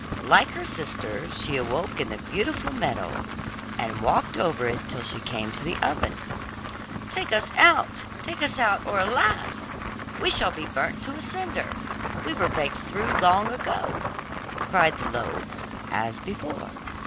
Like her sister she awoke in the beautiful meadow, and walked over it till she came to the oven. 'Take us out, take us out, or alas! we shall be burnt to a cinder; we were baked through long ago,' cried the loaves as before.